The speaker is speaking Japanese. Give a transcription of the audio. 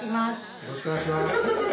よろしくお願いします。